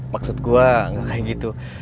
maksud gue kayak gitu